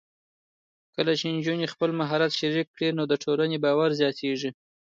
کله چې نجونې خپل مهارت شریک کړي، نو د ټولنې باور زیاتېږي.